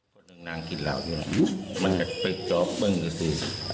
คนหนึ่งนางกินเหล่าอยู่นะมันกัดไปจอบเบิ้งกันสิ